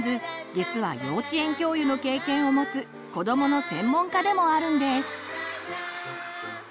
実は幼稚園教諭の経験をもつ子どもの専門家でもあるんです。